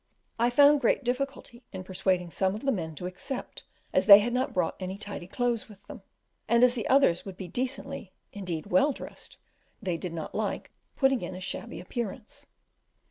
I found great difficulty in persuading some of the men to accept, as they had not brought any tidy clothes with them; and as the others would be decently, indeed well dressed, they did not like putting in a shabby appearance.